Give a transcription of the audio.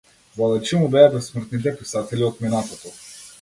Водачи му беа бесмртните писатели од минатото.